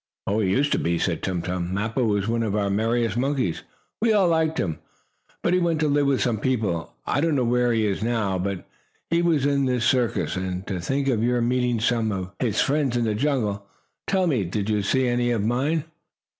"He used to be," said Tum Tum. "Mappo was one of our merriest monkeys. We all liked him, but he went to live with some people. I don't know where he is now. But he was in this circus. And to think of your meeting some of his friends in the jungle! Tell me, did you see any of mine?"